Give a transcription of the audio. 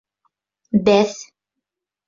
Бәҫ